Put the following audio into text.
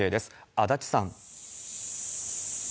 足立さん。